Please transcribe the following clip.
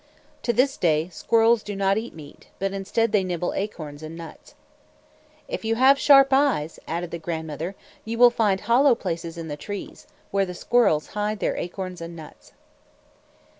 To this day, squirrels do not eat meat, but instead they nibble acorns and nuts. "If you have sharp eyes," added the grandmother, "you will find hollow places in the trees, where the squirrels hide their acorns and nuts."